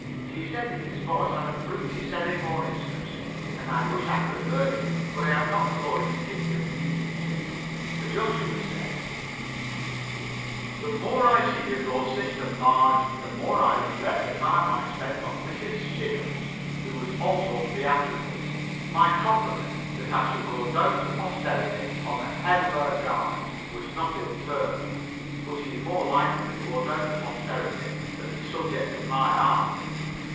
She said that his voice had a fruity ceremoniousness, and I wish I could have heard it. But I have not Chlorine's gift of mediumship. Sir Joshua said: "The more I see of your sister Marge, the more I regret the time that I spent on Mrs. Siddons, who was also theatrical; my compliment that I should go down to posterity on the hem of her garment was not ill turned, but she is more likely to go down to posterity as the subject of my art.